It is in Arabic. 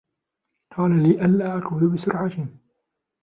قال لي ألا أقود بسرعة.